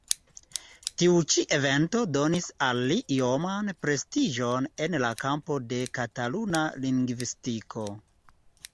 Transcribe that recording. Tiu ĉi evento donis al li ioman prestiĝon en la kampo de Kataluna lingvistiko.